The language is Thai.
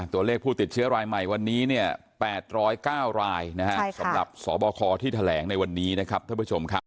ตัวเลขผู้ติดเชื้อรายใหม่วันนี้เนี่ย๘๐๙รายสำหรับสบคที่แถลงในวันนี้นะครับท่านผู้ชมครับ